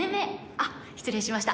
あっ失礼しました！